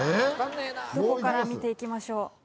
どこから見ていきましょう？